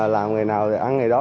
làm ngày nào thì ăn ngày đó